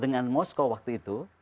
dengan moskow waktu itu